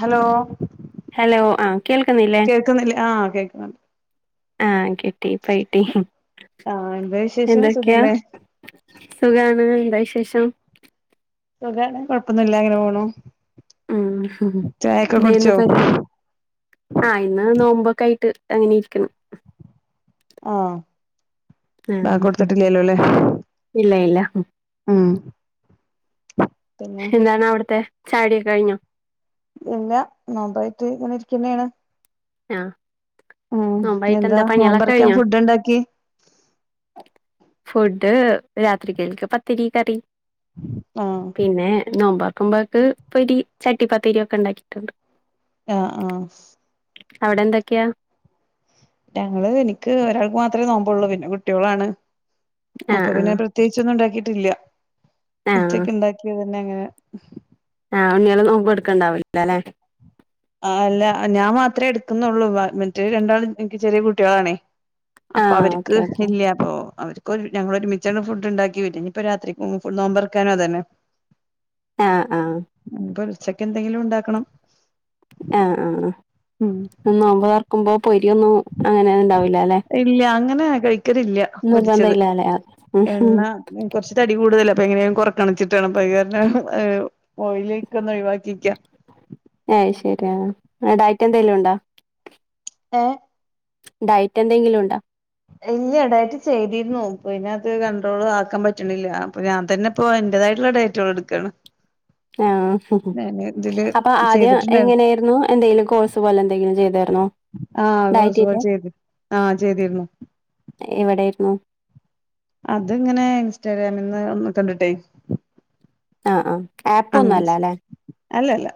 Hello hello ആ കേൾക്കുന്നില്ലേ കേൾക്കുന്നില്ലേ ആഹ കേൾക്കുന്നുണ്ട് കട്ടി പൈട്ടി ആഹ് എന്താ വിശേഷം എന്തൊക്കെയാ സുഖല്ലേ സുഖാണ് എന്താ വിശേഷം സുഖാണ് കൊഴപ്പൊന്നും ഇല്ലാ അങ്ങനെ പോണോ ഉ ഇന്ന് പറ ആഹ ഇന്ന് നോമ്പ ക്കായിട്ട് അങ്ങനെ ഇരിക്കണം ആഹ ബാങ്ക് ഉം. കൊടുത്തിട്ടില്ലല്ലോ അല്ലേ ഇല്ല ഇല്ല ഉം പിന്നെ എന്താണ് അവിടത്തെ ചാടിയൊക്കെ കഴിഞ്ഞോ ഇല്ല നമ്പായിട്ട് ഇങ്ങനെ ഇരിക്കന്നെയാണ് ആ ഉം നോമ്പായിട്ട് എന്താ പണികളൊക്കെ നോമ്പറക്കാൻ കഴിഞ്ഞോ ഫുഡ് ഇണ്ടാക്കി [unintelligible] ഫുഡ് രാത്രി കൽക്ക് പത്തിരി കറി ആഹ് പിന്നെ നോമ്പാ [unintelligible] മ്പക്ക് പൊരി ചട്ടിപ്പത്തിരി ഒക്കെ ഉണ്ടാക്കിട്ടുണ്ട് ആഹ ആഹ അവിടെ എന്തൊക്കെയാ ഞങ്ങള് എനിക്ക് ഒരാൾക്ക് മാത്രമേ നോമ്പള്ളൂ പിന്നെ കുട്ട്യോളാണ് ആ അപ്പൊ ആ പിന്നെ പ്രത്യേകിച്ചൊന്നും ഉണ്ടാക്കിട്ടില്ല ആ ഉച്ചക്ക ഉണ്ടാക്കിയത് പിന്നെങ്ങനെ ആഹ് ഉണ്ണികള നോമ്പ് എടുക്കണ്ടാവില്ലാ ല്ലേ ആ അല്ല ഞാൻ മാത്രമേ എടുക്കുന്നുള്ളൂ മറ്റേ രണ്ടാളും എനിക്ക് ചെറിയ കുട്ടികളാണേ ആ അപ്പൊ അവർക്ക് ഓക്കെ ഓക്കെ ഇല്ലപ്പ അവർക്ക് ക്കൊര് ഞങ്ങളൊര്മിച്ചാണ് ഫുഡ് ഇണ്ടാക്കി [unintelligible] ഇഞ്ഞ് പ്പൊ രാത്രിക്കും ഫു നോമ്പറക്കാനും അതന്നെ. ആഹ് ആഹ് ഇപ്പൊ ഉച്ചക്ക് എന്തെങ്കിലും ഉണ്ടാക്കണം. ആഹ് ആഹ് ഉം നോമ്പ് തൊർക്കുമ്പോ പൊരിയൊന്നും അങ്ങനെണ്ടാവൂലാല്ലെ ഇല്ല അങ്ങനെ കഴിക്കലില്ല നിർബന്ധ പൊരിച്ചത് ഇല്ലാലേ അ എണ്ണ കുറച്ച് തടി കൂടുതല്. ഇപ്പൊ എങ്ങനേലും കൊറെയ്ക്കണോന്ന് വെച്ചിട്ടാണ് അത് കാരണമാണ് ഓയിയൊക്കെ ഒന്ന് ഒഴിവാക്കിക്കാ. അത് ശരിയാണ് ഡയറ്റ് എന്തെലും ഉണ്ടോ? ഏഹ് ഡയറ്റ് എന്തെങ്കിലും ഉണ്ടോ? ഇല്ല ഡയറ്റ് ചെയ്തിരുന്നു പിന്നെ അതു കണ്ട്രോൾ ആക്കാൻ പറ്റണില്ല, അപ്പൊ ഞാൻ തന്നെ ഇപ്പോ എന്റേത്. ആയിട്ടുള്ള ഡയറ്റുകൾ എടുക്കാണ്. ആഹ് ഞാന് ഇതില് അപ്പൊ ആദ്യം ചെയ്തിട്ടുണ്ടായിരുന്നു എങ്ങനെയായിരുന്നു എന്തെങ്കിലും കോഴ്സ് പോലെ എന്തെങ്കിലും ചെയ്താ രുന്നോ ആ ഡയറ്റിന്റെ ചെയ്ത് ആ ചെയ്തിരുന്നു എവിടെയിരുന്നു. ആഹ് അത് അങ്ങനെ ഇൻസ്റ്റാഗ്രാമിന് കണ്ടിട്ടേ. ആഹ് ആഹ് ആപ്പ് അങ്ങനെ ഒന്നുമല്ലല്ലോ. അല്ലല്ല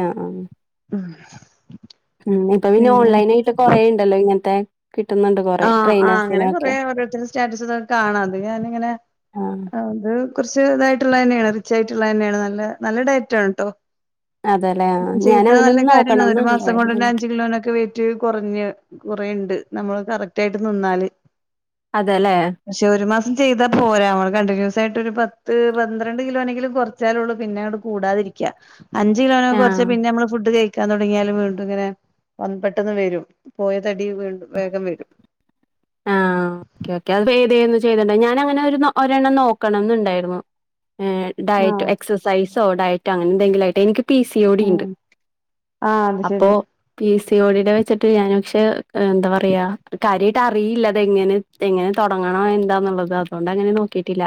ആഹ് ആഹ് ആഹ് ഉം ഇപ്പൊ പിന്നെ ഓൺലൈൻ ആയിട്ട് കൊറെയുണ്ടല്ലോ ഇങ്ങനത്തെ. കിട്ടുന്നുണ്ട് കൊറെ ആഹ് ആഹ് അങ്ങനെ ട്രെയിനേഴ്സിനൊക്കെ കൊറെ ഓരോരുത്തരുടെ. സ്റ്റാറ്റസിൽ ഒക്കെ കാണാം അത് ഞാൻ ഇങ്ങനെ ആഹ് കണ്ട്. കുറച്ച് ഇതായിട്ടുള്ളത് തന്നെയാണ് റീച്ച് ആയിട്ടുള്ളത് തന്നെയാണ് നല്ല നല്ല ഡയറ്റ് ആണ് കേട്ടോ. അതെല്ലേ ആഹ് ഞാൻ ചെയ്താൽ അങ്ങനെ നല്ല ഒന്ന് കാര്യാണ് നോക്കണംന്ന് ഒരു മാസം കൊണ്ട് ഉണ്ടായിരുന്നു തന്നെ അഞ്ച് കിലോന്റെ ഒക്കെ വെയ് റ്റ് കുറഞ്ഞ കൊറെയുണ്ട് നമ്മള് കറക്റ്റ് ആയിട്ട് നിന്നാല്. അതല്ലേ ഇത് ചെയ്താൽ പോരാ നമ്മള് കണ്ടിന്യൂസ് ആയിട്ട് ഒരു പത്ത് പന്ത്രണ്ട് കിലോ എങ്കിലും കൊറേച്ചാൽ ഉള്ളൂ പിന്നെ അങ്ങോട് കൂടാതെ. നിക്കാ അഞ്ച് കിലോവരെ കുറച്ച് ആഹ് പിന്നെ നമ്മള് ഫുഡ് കഴിക്കാൻ തുടങ്ങിയാലും വീണ്ടും ഇങ്ങനെ പെട്ടെന്ന് വരും പോയത്. തടി വിണ്ടും വേഗം വരും ആഹ ഓക്കെ ഓക്കെ അത് പതന്ന് ചെയ്തണ്ട ഞാാന അങ്ങനെ ഒരു ഒരെണ്ണം നോക്കണം എന്നുണ്ടായിരുന്നു ഉം ഡയറ്റ് ആഹ് എക്സൈസോ ഡയറ്റോ അങ്ങനെ എന്തെങ്കിലും ആയിട്ട് എനിക്ക് പി സി ഓ ടി ഉണ്ട് ഉം ആഹ് അത് അപ്പോ ശരി പി സി ഓടിയടെ വെച്ചിട്ട് ഞൻ പക്ഷെ എന്താ പറയാ കാര്യയിട്ട് അറിയില്ലതെങ്ങനെ എങ്ങനെ തുടങ്ങണോ എന്താന്നുള്ളത് അതുകൊണ്ട് അങ്ങനെ നോക്കിട്ടില്ല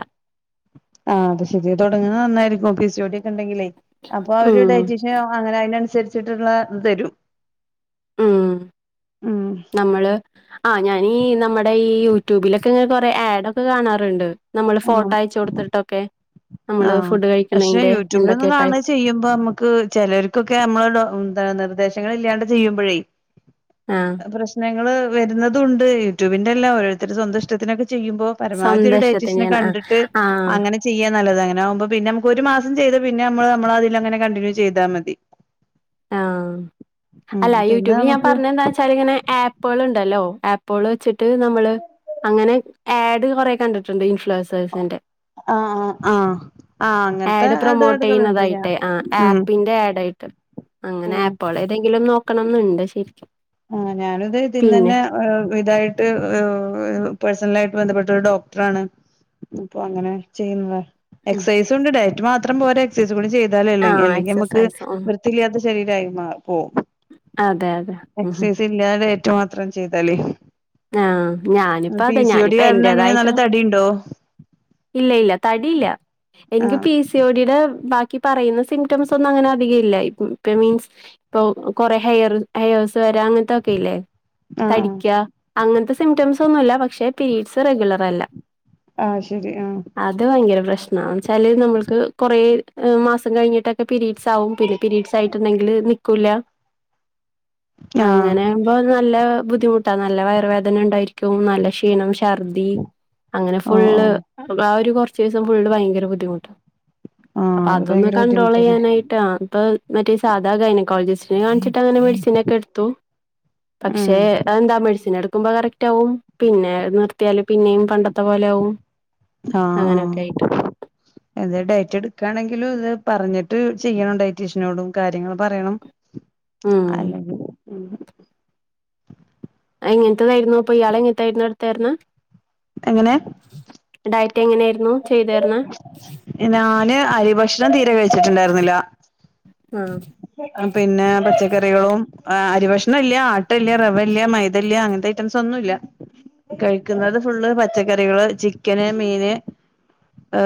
ആഹ് അത് ശരി തുടങ്ങുന്ന നന്നായിരിക്കും പി സി ഓടിയ ഒക്കെ ഉണ്ടെങ്കിലേ അപ്പൊ അവര് ഉം ഡയറ്റീഷ്യൻ അങ്ങനെ അതിനനുസരിച്ചിട്ടുള്ളത് തരും ഉം ഉം നമ്മള് ആ ഞ ഇ നമ്മുടെ ഈ യൂട്യൂബിലൊക്കെ ഇങ്ങനെ കൊറെ ആഡ് ഒക്കെ കാണാറുണ്ട് നമ്മള് ഫോട്ടോ അയച്ച കൊടുത്തിട്ടൊക്കെ ആ നമ്മള് ഫുഡ് പക്ഷെ കഴിക്കണേന്റെ യൂട്യൂബിൽൊന്ന് എന്തൊക്കെ കഴി കാണ ചെയ്യുമ്പോ നമുക്ക് ചിലർക്കൊക്കെ നമ്മള എന്ത നിർദേശ പ്രേശ്നലില്ലാണ്ട് ചെയ്യുമ്പോഴേ ആഹ് പ്രശ്നങ്ങള് വരുന്നതു ണ്ട് യൂട്യൂബിന്റെ എല്ലാം ഓരോരുത്തരു സ്വന്തം ഇ ഷ്ടത്തിനൊക്കെ ചെയ്യുമ്പോൾ പരമാവധി ഒരു സ്വന്തം ഡെയ്റ്റെഷ്യനെ ഇഷ്ടത്തിന്റെയാണ് ആഹ് ആഹ് അങ്ങനെകുമ്പോ പിന്നെ നമുക്ക് ഒരു പിന്നെ ഒരു മാസം ചെയ്ത് പിന്ന നമ്മ നമ്മൾ അതിൽ അങ്ങനെ കണ്ടിന്യൂ ചെയതാൽ മതി ആഹ ഉം അല്ല പിന്നെ യൂട്യൂബിൽ ഞാൻ നമുക്ക് പറഞ്ഞ എന്താന്ന് വച്ചാൽ ഇങ്ങനെ ആപ്പുകൾ ഉണ്ടല്ലോ ആപ്പ വെച്ചിട്ട് നമ്മള് അങ്ങനെ ആഡ് കൊറെ കണ്ടിട്ടുണ്ട് ഇൻഫ്ലസേഴസിന്റെ ആഹ് ആഹ് ആഹ് അങ്ങനത്തെ ആഡ് പ്രൊമോട്ട് ഇടപാടുകളുണ്ട് ഞാൻ ചെയ്യുന്നതായിട്ടെ ആ ആപ്പിന്റെ ആഡ് ആയിട്ട് അങ്ങനെ ഉം എപ്പോള ഏതെങ്കിലും നോക്കണം എന്നുണ്ട് ശരി ആഹ ഞാനിത് ഇതിന്ന തന്നെ ഇതായിട്ട് എന്നാ ബന്ധപ്പെട്ട് ഡോക്ടർ ആണ് അങ്ങനെ ചെയ്യുന്ന ഉം എക്സൈസുണ്ട് ഡൈ മാത്രം പോരെ ചെ തും കൂടി ചെയ്താലെ ആഹ് അല്ലെങ്കിൽ നമുക്ക് എക്സസൈസ് ഉം വൃത്തിയില്ലാത്ത ശരീരമായി മാ പോകും അതെ അതെ ഉം ഉം. എക്സൈസ് ഇല്ലാതെ ഏറ്റവും മാത്രം ചെയ്താലേ ആ ഞാനിപ്പ പി അതെ സി ഒടി ഞാനിപ്പ കാരണം എങ്ങനെ എന്റേതായിട്ട നല്ല തടിയുണ്ടോ ഇല്ല ഇല്ല തടിയില്ല എനിക്ക് ആഹ് പി സി ഓടിയുടെ ബാ ക്കി പറയുന്ന സിമ്പ്റ്റംസ് ഒന്നും അങ്ങനെ അധികംല്ല ഇ മീൻസ് ഇപ്പോ കൊറെ ഹെയർ ഹെയസ് വരാ എന്തൊക്കെല്ലേ ആഹ് ആഹ് തടിക്ക അങ്ങനത്തെ സിംറ്റംസ് ഒന്നുമില്ല പക്ഷെ പീരീഡ്സ് റെഗുലർ അല്ല ആ ശരി ആ എന്നാ വെച്ചാല് നമ്മൾക്ക് കുറേ മാസം കഴിഞ്ഞിട്ട പീരീഡ്സ് ആവും പിന്നെ പീരീഡ്സ് ആയിട്ട്ണ്ടെങ്കിൽ നിക്കൂല ആഹ് അങ്ങനെ ആകുമ്പോ നല്ല ബുദ്ധിമു നല്ല വയറ് വേദന ഉണ്ടായിരിക്കും നല്ല ക്ഷീണം ഛർദി അങ്ങനെ ഓ ഫുള്ള് ഓ ആ ഒരു കുറച്ച് ദിവസം ഫുള്ള് ഭയങ്കര ബുദ്ധിമുട്ട് ആഹ് അപ്പൊ അത് അതൊന്ന് ഭയങ്കര കണ്ട്രോൾ ബുദ്ധിമുട്ടന്നെ ചെയ്യാനായിട്ട ഇപ്പൊ മറ്റേ സാധാ ഗൈനക്കോളജിസ്റ്റിന് കാണിച്ചിട്ട് അങ്ങനെ മെഡിസിൻ ഒക്കെ എടുത്തു ഉം പക്ഷേ എന്താ മെഡിസിൻ എടുക്കുമ്പോ കറക്റ്റ് ആവും പിന്നെ നിർത്തിയാല് പിന്നെയും പണ്ടത്തെ പോലെ ആകും ആ ആ എന്ത ഡേറ്റ് എടുക്കയാണെ ഇലും ഇത് പറഞ്ഞിട്ട് ചെയ്യണണ്ടായി ടീഷനോടും കാര്യങ്ങള് പറയണം ഉം അല്ലെങ്കി ഉം ഇങ്ങനത്തതായിരുന്നു പിള്ളേര് എങ്ങനത്തായിരുന്നു എടുത്തായിരുന്ന് എങ്ങനെ ഡയറ്റ് എങ്ങനെയായിരുന്നു ചെയ്തായിരുന്നെ ഞാന് അരി ഭക്ഷണം തീരെ കഴിച്ചിട്ടുണ്ടായിരുന്നില്ല ആഹ് പിന്നെ പച്ച കറികളും അരി ഭക്ഷണം ഇല്ല ആട്ട ഇല്ല റവല്ല മൈതല്ല അങ്ങനത്തെ ഐറ്റംസ് ഒന്നുംല്ല കഴിക്കുന്നത് ഫുള്ള് പച്ചക്കറികള് ചിക്കന് മീന്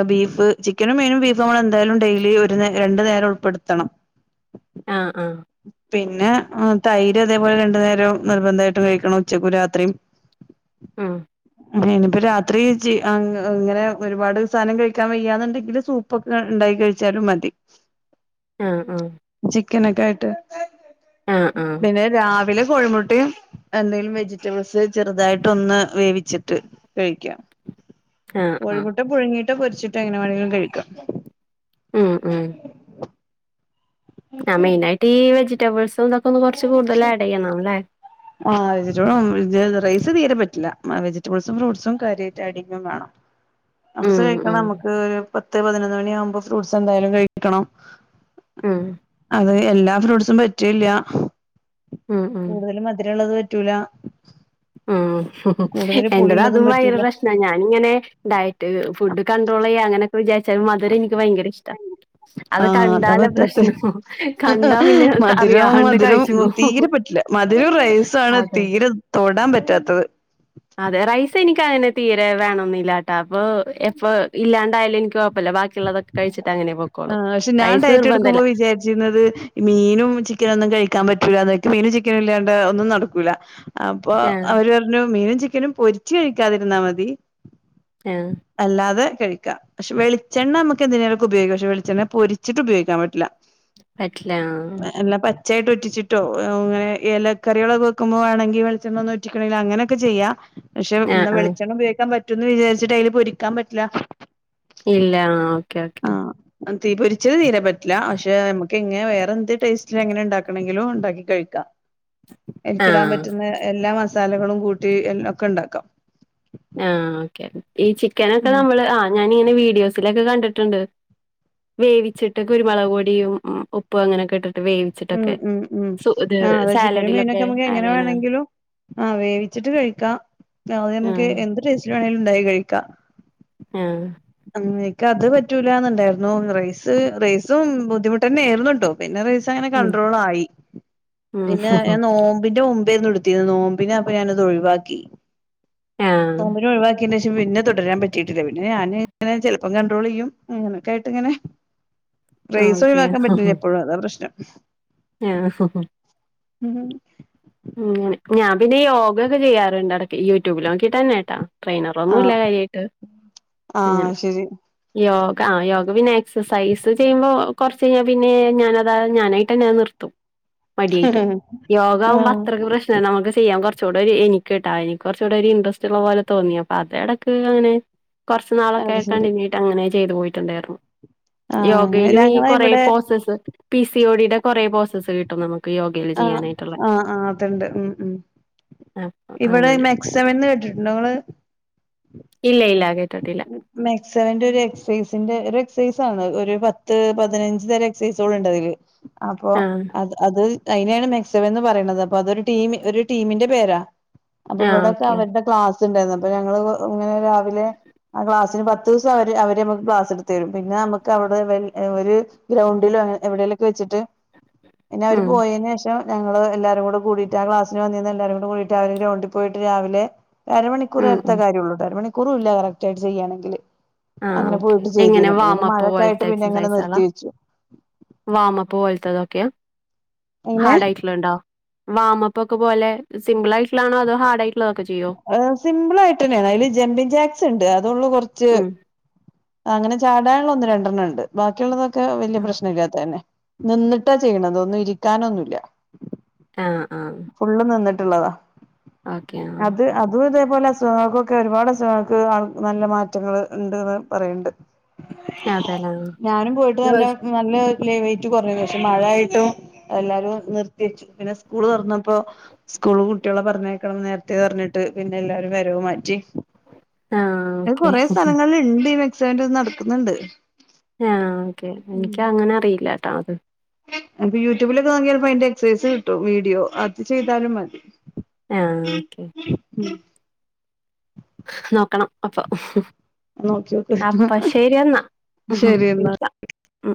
ബീഫ് ചിക്കനും മീനും ബീഫും നമ്മൾ എന്തായാലും ഡെയിലി ഒരു രണ്ടു നേരം ഉൾപ്പെടുത്തണം ആ ആ പിന്നെ തൈര് അതേപോലെ രണ്ടു നേരം നിർബന്ധമായിട്ടും കഴിക്കണം ഉച്ചക്കും രാത്രിയും ആ ഇനിയിപ്പ രാത്രി ചി ഇങ്ങനെ ഒരുപാട് അവസാനം കഴിക്കാൻ വയ്യാന്നുണ്ടെങ്കിൽ സൂപ്പൊക്കെ ഉണ്ടായി കഴിച്ചാലും മതി ആ ആ ക്കെനേ കായിട്ട് പിന്നെ രാവിലെ കോഴിമുട്ടിയും എന്നേം വെജിറ്റബിൾസ് ചെറുതായിട്ട് ഒന്ന് വേവിച്ചിട്ട് കഴിക്കാം ആഹ് ആഹ് ആഹ് കോഴിമുട്ട പുഴുങ്ങിട്ട് പൊരിച്ചിട്ട് എങ്ങനെ വേണമെങ്കിലും കഴിക്കാം ഉം ഉം ആ മെയിനായിട്ട് ഈ വെജിറ്റബിൾസും തൊക്കെ ഒന്ന് കുറച്ച് കൂടുതൽ ആഡ് ചെയ്യണം ലെ ആ വെജിറ്റബിളും റൈസ് തീരെ പറ്റില്ല വെജിറ്റബിൾസും ഫ്രൂട്ട്സും കാര്യമായിട്ട് ആഡ് ചെയ്യും വേണം അ ബഡ്സ് ഉം കഴിക്ക ഉം നമുക്ക് ഒരു പത്ത് പതിനൊന്ന് മണി ആകുമ്പോ ഫ്രൂട്ട്സ് എന്തായാലും കഴിക്കണം ഉം അത് എല്ലാ ഫ്രൂട്ട്സും പറ്റില്ല ഉം ഉം ള്ളത് പറ്റൂല ഉം കൂടുതൽ എൻ്റതാ അതും പുളിയുള്ളതും ഭയങ്കര പറ്റൂല പ്രശ്ന ഞാനിങ്ങനെ ഡയറ്റ് ഫുഡ് കണ്ട്രോൾ ചെയ്യ അങ്ങനെ വിചാരിച്ച മധുരെനിക്ക് ഭയങ്കര ഇഷ്ട അത് ആഹ് അതാ കണ്ടാല് പറ്റാത്തെ പ്രശ്നോ കണ്ടാ പിന്നെ അറിയാണ്ട് കഴിച്ചു പോ മധുരോ റൈസും ആണ് തീരെത്തൊടാൻ അതെ റൈസ് എനിക്കങ്ങനെ തീരെ വേണൊന്നില്ലാട്ടാ അപ്പൊ എപ്പ ഇല്ലാണ്ടായാലും എനിക്ക് കുഴപ്പല്ല ബാക്കിയുള്ളതൊക്കെ കഴിച്ചിട്ട് അങ്ങനെ പൊക്കോളും ആഹ് പക്ഷെ ഞാൻ റൈസ് നിർബന്ധല്ല ഡയറ്റെടുക്കുമ്പോ വിചാരിച്ചിരുന്നത് മീനും ചിക്കനും ഒന്നും കഴിക്കാൻ പറ്റി റ്റൂലാന്നാ ക്ക്‌ മീനും ചിക്കനും ഇല്ലാണ്ട് ഒന്നും നടക്കൂല അപ്പൊ ആഹ് അവര് പറഞ്ഞു മീനും ചി ക്കനും പൊരിച്ചു കഴിക്കാതിരുന്നാ മതി ആഹ് അല്ലാതെ കഴിക്ക പക്ഷെ വെളിച്ചെണ്ണ മ്മക്കെന്തിനേലൊക്കെ ഉപയോഗിക്ക പക്ഷെ വെളിച്ചെണ്ണ പൊരിച്ചിട്ട് ഉപയോഗിക്കാൻ പറ്റില്ല പറ്റില്ല ആഹ് ച്ചായിട്ട് ഉറ്റിച്ചിട്ടോ അങ്ങനെ ഇല കറികളൊക്കെ വെക്കുമ്പോ വാണെങ്കി വെളിച്ചെണ്ണ ഒന്നുറ്റിക്കണങ്കില് അങ്ങനൊക്കെ ചെയ്യാ പക്ഷെ ആഹ് ന്നാ ആഹ് വെളിച്ചെണ്ണ ഉപയോഗിക്കാൻ പറ്റുന്ന് വിചാരിച്ചിട്ട് അയ്ല് പൊരിക്കാൻ പറ്റില്ല ഇല്ല ആഹ് ഓക്കെ ഓക്കെ ആഹ് തീ പൊരിച്ചത് തീരെ പറ്റില്ല പക്ഷെ ന ക്കെങ്ങെ വേറെ എന്ത് ടേസ്റ്റ്ല് എങ്ങനെ ണ്ടാക്കണെങ്കിലും ണ്ടാക്കി കഴിക്കാം അയ്ൽക്കിടാൻ ആഹ് പറ്റുന്ന എല്ലാ മസാലകളും കൂട്ടി എ ഒക്കെ ഉണ്ടാക്കാം ആഹ് ഓക്കെ ഈ ചിക്കനൊക്കെ ഉം നമ്മള് ആഹ് ഞാനിങ്ങനെ വീഡിയോസിലൊക്കെ കണ്ടിട്ടുണ്ട് വേവിച്ചിട്ട് കുരുമളക് പൊടിയും ഉപ്പും അങ്ങനൊക്കെ ഇട്ട് ഉം ഉം ഉം ആഹ് അതെ ചിക്കനും മീനൊക്കെ സാലഡിലൊക്കെ നമ്മുക്ക് ആഡ് എങ്ങനെ ചെയ്യണ വേണെങ്കിലും ആഹ് വേവിച്ചിട്ട് കഴിക്കാ നമുക്ക് ആഹ് എന്ത് ടേസ്റ്റ് വേണേലും ഉണ്ടാക്കി കഴിക്കാം ആഹ് ഉം ഇക്കത് പറ്റൂലന്നുണ്ടായിർന്നു റൈസ് റൈസും ബുദ്ധിമുട്ടെന്നേയ് രുന്നുട്ടോ പിന്നെ റൈസ് അങ്ങനെ ഉം കൺഡ്രോളായി പിന്നെ ഉം ഞാൻ നോമ്പിന്റെ മു മ്പേനു എട്ത്തീനെ നോമ്പിന് പ്പതൊഴിവാക്കി ആഹ് നോമ്പിന് ഒഴിവാക്കി ശേഷം പിന്നെ തുടരാൻ പറ്റീട്ടില്ല പിന്നെ ഞാന് ങ്ങനെ ചിലപ്പം കണ്ടട്രോൾ ചെയ്യും അങ്ങനൊക്കായിട്ട് ഇങ്ങനെ റൈസ് ഓക്കെ ഒഴിവാക്കാൻ പറ്റില്ല എപ്പോഴും അതാ പ്രശ്നം ആഹ് ഹ ഹ ഉം ഞാൻ പിന്നെ യോഗ ഒക്കെ ചെയ്യാറുണ്ടെടക്ക് യൂട്യൂബില് നോക്കിയിട്ടെന്നേട്ടാ ട്രെയിനറൊന്നുംല്ല ആഹ് കാര്യായിട്ട് അങ്ങനെ ആഹ് ശരി യോഗ ആഹ് യോഗ പിന്നെ എക്സർസൈസ് ചെയ്യുമ്പോ കുറച്ചയിഞ്ഞാ പിന്നെ ഞാനതാ ഞാനായ്ട്ടെന്നെ നിർത്തും മടിയായ്ട്ട് യോഗാവുമ്പോ ആഹ് അത്രക്ക് പ്രശ്നല്ല നമുക്ക് ചെയ്യാൻ ച്ചൂടൊരു എനിക്ക്ട്ടാ എനിക്കൊറച്ചൂടൊരു ഇൻട്രസ്റ്റ് ഉള്ള പോലെ തോന്നി അപ്പൊ അത് എടക്ക് അങ്ങനെ കൊർച്ച് നാളൊക്കെ അത് ശരി കണ്ടിന്യൂ ചെയ്ത് പോയിട്ടുണ്ടാരുന്നു ആഹ് അങ്ങനെ യോഗയിലു ഈ ഞങ്ങളെ കൊറേ ഇവിടെ പോസ്സസ് പി സി ഒ ഡി യുടെ കൊറേ പോസ്സ് ആഹ് ആഹ് ആഹ് അതുണ്ട് ഉം ഉം അപ്പൊ ഇവിടെ അങ്ങനെ മെക്സമന്ന് കേട്ടിട്ടുണ്ടോങ്ങള്? ഇല്ല ഇല്ല കേട്ടിട്ടില്ല മെക്സെവന്റെ ഒരു എക്സൈസിന്റെ ഒരു എക്സൈസാണ് ഒരു പത്ത് പതിനഞ്ച് തരം എക്സസൈസുകളുണ്ടതില് അപ്പൊ ആഹ് അത് അത് അയിനെയാണ് മെക്സവൻ എന്ന് പറയണത് അപ്പൊ അതൊരു ടീമി ഒരു ടീമിന്റെ പേരാ അപ്പൊ ആഹ് ഇവിടൊക്കെ ഓക്കെ അവരുടെ ക്ലാസ് ഉണ്ടായിരുന്നു അപ്പൊ ഞങ്ങള് ഇങ്ങനെ രാവിലെ ആ ക്ലാസ്സിന് പത്ത് ദിവസം അവര് അവര് നമുക്ക് ക്ലാസ് എടുത്ത് തരും പിന്നെ നമുക്ക് അവിടെ ഒരു ഗ്രൗണ്ടി ണ്ട എവിടെലൊക്കെ വെച്ചിട്ട് [inaudible] പിന്നെ അവര് ഉം പോയെന് ശേഷം ഞങ്ങള് എല്ലാരും കൂടെ കൂടിട്ട് ആ ക്ലാസിന് വന്നീനെ എല്ലാരും കൂടെ കൂടീട്ട് അവര് ഗ്രൗണ്ട്‌‌ പോയിട്ട് രാവിലെ അരമണിക്കൂർ ഉം നേരത്തെ ഉം കാര്യള്ളു അരമണിക്കൂറുല്ല കറക്ട് ആയിട്ട് ചെയ്യാണെങ്കില് ആഹ് അങ്ങനെ ഓക്കെ പോയിട്ട് എങ്ങനെ ചെയ്തീനു പ്പങ്ങനെ വാമപ്പ് മഴക്കായിട്ട് പോലത്തെ പിന്നെ ങ്ങനെ നിർത്തി എക്സസൈസുകളാ വെച്ചു വാമപ്പ് പോലത്തതൊക്കെയോ? അങ്ങനെ ഹാർഡ് ആയിട്ട്ള്ളണ്ടോ? വാമപ്പൊക്കെ പോലെ സിംപിൾ ആയിട്ട്ള്ളാണോ അതോ ഹാർഡ് ആയിട്ടുള്ളതൊക്കെ ചെയ്യോ സിമ്പിൾ ആയിട്ട് ന്നെയാണ് അതില് ജമ്പിങ് ജാക്സ് ഉണ്ട് അതള്ളൂ കുറച്ച് ഉം അങ്ങനെ ചാടാള്ള ഒന്നും രണ്ടെണ്ണം ഉണ്ട് ബാക്കിയുള്ളതൊക്കെ വല്യയ പ്രശ്ന ഇല്ലാത്തന്നെ നിന്നിട്ടാ ചെയ്യണതൊന്നും ഇരിക്കാനൊന്നുമല്ല ആഹ് ആഹ് ഫുള്ള് നിന്ന്‌ ട്ട്ള്ളതാ ഓക്കെ ആഹ് അത് അ പോലെ അസുഖങ്ങൾക്കൊക്കെ ഒരുപാട് അസുഖങ്ങൾക്ക് ആ നല്ല മാറ്റങ്ങൾ ഉണ്ട്ന്ന് പറയ്ണ്ട് അതെല്ലേ ഞാനും പോയിട്ട് നല്ല നല്ല ലെവേറ്റ് കുറഞ്ഞ പക്ഷെ മഴായിട്ടും എല്ലാരും നിർത്തി വെച്ചു പിന്നെ സ്കൂള് തുന്നപ്പോ സ്കൂള് കുട്ടികളെ പറഞ്ഞേക്കണം നേരത്തെ പറഞ്ഞിട്ട് പിന്നെ എല്ലാരും വരവ് മാറ്റി ആഹ് അത് ഓക്കെ കൊറെ സ്ഥലങ്ങളിൽ ഇണ്ട് ഈ മെക്സാമ നടക്ക്ന്ന്‌ണ്ട് ആ ഓക്കെ ഇൻക്ക അങ്ങനെ അറിയില്ല ട്ടോ അത് അ യൂട്യൂബിലൊക്കെ വാങ്ങിയപ്പോ അതിന്റെ എക്സസൈസ് കിട്ടും വീഡിയോ അത് ചെയ്താലും മതി ആഹഓക്കെ നോക്കണം അപ്പൊ നോക്കി നോക്ക് അപ്പ ശരിയെന്നാ ഉം ശരി എന്നാ ഉ